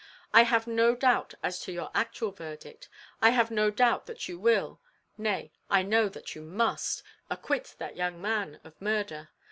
I have no doubt as to your actual verdict. I have no doubt that you will nay, I know that you must acquit that young man of murder.